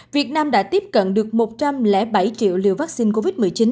việt nam đã tiếp cận được một trăm linh bảy triệu liều vaccine covid một mươi chín